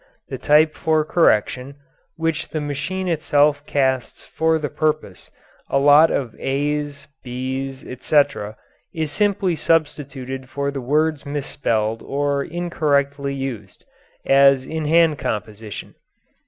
The type for correction, which the machine itself casts for the purpose a lot of a's, b's, etc. is simply substituted for the words misspelled or incorrectly used, as in hand composition.